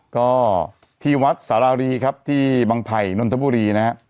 ก็ที่วัดสารารีที่บังไภนทนทบุรี